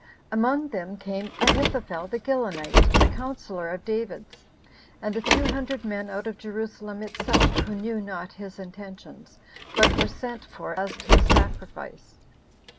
2. Among them came Ahithophel the Gilonite, a counsellor of David's, and two hundred men out of Jerusalem itself, who knew not his intentions, but were sent for as to a sacrifice.